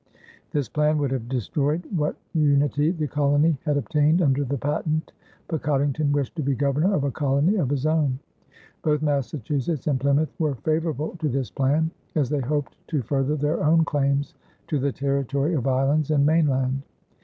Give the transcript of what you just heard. This plan would have destroyed what unity the colony had obtained under the patent, but Coddington wished to be governor of a colony of his own. Both Massachusetts and Plymouth were favorable to this plan, as they hoped to further their own claims to the territory of islands and mainland.